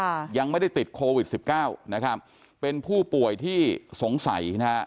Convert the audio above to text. ยังไม่ได้ติดโควิดสิบเก้านะครับเป็นผู้ป่วยที่สงสัยนะฮะ